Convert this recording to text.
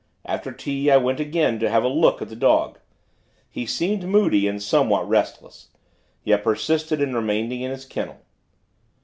After tea, I went, again, to have a look at the dog. He seemed moody, and somewhat restless; yet persisted in remaining in his kennel.